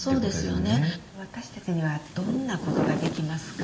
私たちにはどんなことができますか？